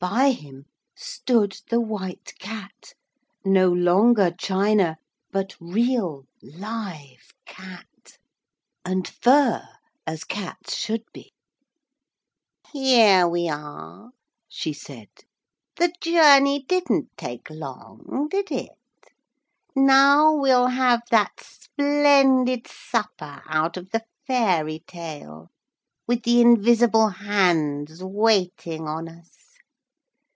By him stood the White Cat, no longer china, but real live cat and fur as cats should be. 'Here we are,' she said. 'The journey didn't take long, did it? Now we'll have that splendid supper, out of the fairy tale, with the invisible hands waiting on us.'